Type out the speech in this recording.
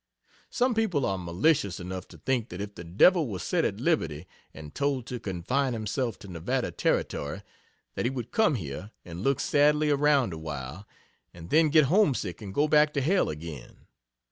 Some people are malicious enough to think that if the devil were set at liberty and told to confine himself to Nevada Territory, that he would come here and look sadly around, awhile, and then get homesick and go back to hell again.